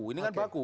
ini kan baku